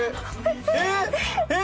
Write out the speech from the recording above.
えっえっ？